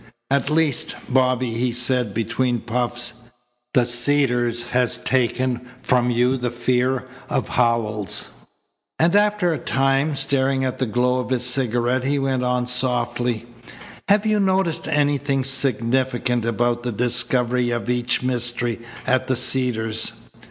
"At least. Bobby," he said between puffs, "the Cedars has taken from you the fear of Howells." And after a time, staring at the glow of his cigarette, he went on softly: "Have you noticed anything significant about the discovery of each mystery at the Cedars?"